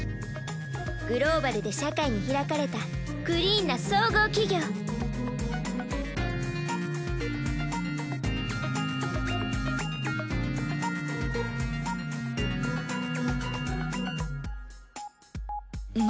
グローバルで社会に開かれたクリーンな総合企業遊我：何？